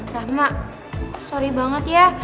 rahma sorry banget ya